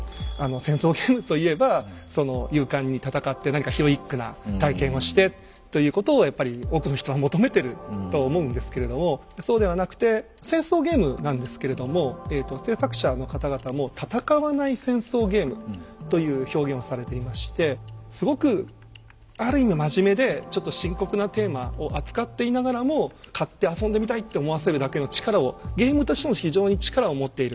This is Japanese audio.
「戦争ゲーム」といえば勇敢に戦って何かヒロイックな体験をしてということをやっぱり多くの人は求めてると思うんですけれどもそうではなくて戦争ゲームなんですけれども制作者の方々も「戦わない戦争ゲーム」という表現をされていましてすごくある意味真面目でちょっと深刻なテーマを扱っていながらも買って遊んでみたいと思わせるだけの力をゲームとしても非常に力を持っている。